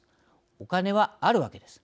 お金は、あるわけです。